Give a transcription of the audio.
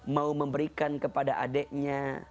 mau memberikan kepada adiknya